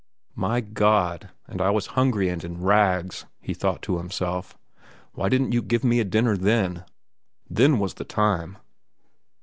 My God! and I was hungry and in rags, he thought to himself. Why didn't you give me a dinner then? Then was the time.